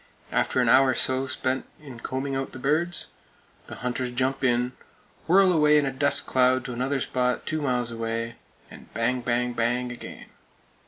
After an hour or so spent in combing out the birds, the hunters jump in, whirl away in a dust cloud to another spot two miles away, and "bang bang bang" again.